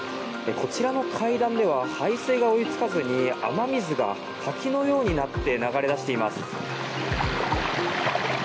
こちらの階段では排水が追いつかずに雨水が滝のようになって流れ出しています。